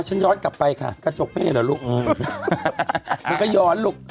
ย้อนกลับไปค่ะกระจกเป้เหรอลูกมันก็ย้อนลูก